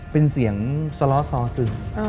เป็นเสียงสล้อซอสึง